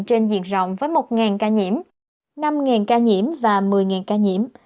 trên diện rộng với một ca nhiễm năm ca nhiễm và một mươi ca nhiễm